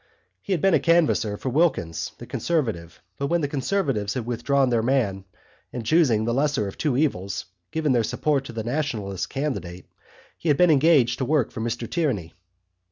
He had been a canvasser for Wilkins, the Conservative, but when the Conservatives had withdrawn their man and, choosing the lesser of two evils, given their support to the Nationalist candidate, he had been engaged to work for Mr Tierney.